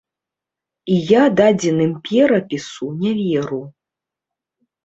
І я дадзеным перапісу не веру.